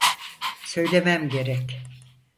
Söylemem gerek.